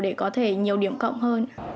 để có thể nhiều điểm cộng hơn